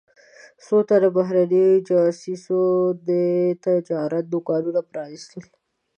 څو تنو بهرنیو جواسیسو د تجارت دوکانونه پرانیستل.